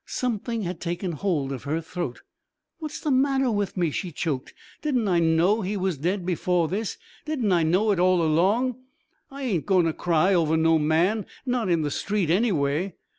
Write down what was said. Something had taken hold of her throat. "What's the matter with me?" she choked. "Didn't I know he was dead before this? Didn't I know it all along? I ain't going to cry over no man ... not in the street, anyway."